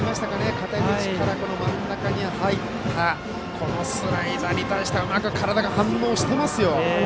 肩口からこの真ん中に入ったこのスライダーに対してうまく体が反応していますよ。